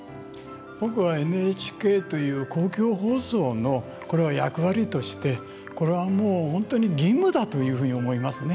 僕はＮＨＫという公共放送のこれは役割としてこれはもう本当に義務だというふうに思いますね。